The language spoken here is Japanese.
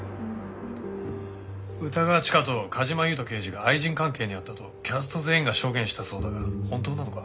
歌川チカと梶間優人刑事が愛人関係にあったとキャスト全員が証言したそうだが本当なのか？